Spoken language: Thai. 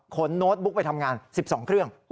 โน้ตบุ๊กไปทำงาน๑๒เครื่อง